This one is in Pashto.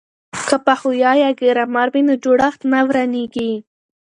که پښویه یا ګرامر وي نو جوړښت نه ورانیږي.